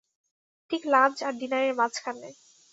ঠিক লাঞ্চ আর ডিনারের মাঝখানে।